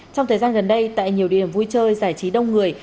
trong thời gian gần đây tại nhiều điểm vui chơi giải trí đông người